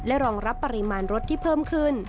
รองรับปริมาณรถที่เพิ่มขึ้น